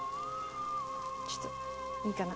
ちょっといいかな？